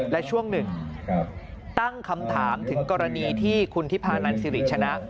และช่วงหนึ่งตั้งคำถามถึงกรณีที่คุณทิพานันสิริชนะ